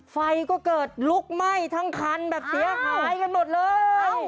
ไฟก็เกิดลุกไหม้ทั้งคันแบบเสียหายกันหมดเลย